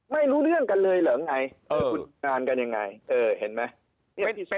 ไม่รู้เรื่องกันเลยเหรอไงเออต่างันยังไงเห็นไหม